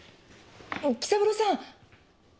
紀三郎さん！